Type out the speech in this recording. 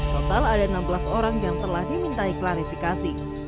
total ada enam belas orang yang telah dimintai klarifikasi